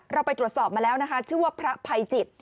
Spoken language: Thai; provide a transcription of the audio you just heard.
เราไปตรวจสอบมาแล้วนะคะชื่อว่าพระภัยจิต